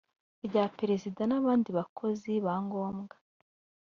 rya perezida n abandi bakozi ba ngombwa